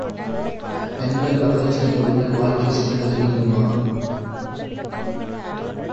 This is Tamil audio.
பெண்கள் வரதட்சணைக் கொடுமையால் வாழ்க்கைச் சிக்கல்கள் நீங்குமா?